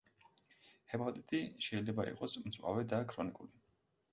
ჰეპატიტი შეიძლება იყოს მწვავე და ქრონიკული.